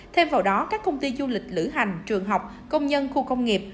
thêm vào đó các công ty du lịch lữ hành trường học công nhân khu công nghiệp